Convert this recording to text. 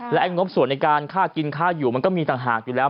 และงบส่วนในการค่ากินค่าอยู่มันก็มีต่างหากอยู่แล้ว